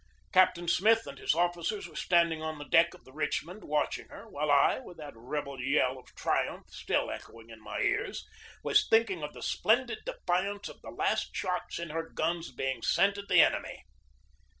Captain Smith and his officers were standing on the deck of the Richmond watch ing her, while I, with that rebel yell of triumph still echoing in my ears, was thinking of the splendid defiance of the last shots in her guns being sent at the enemy.